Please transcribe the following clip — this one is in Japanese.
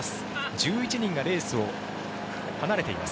１１人がレースを離れています。